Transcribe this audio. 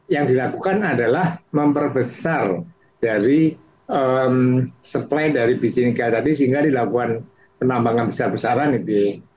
yang dilakukan adalah memperbesar dari supply dari bisnis nikel tadi sehingga dilakukan penambangan besar besaran gitu ya